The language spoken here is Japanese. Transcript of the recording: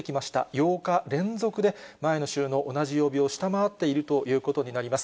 ８日連続で、前の週の同じ曜日を下回っているということになります。